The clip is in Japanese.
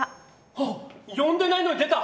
はっ呼んでないのに出た！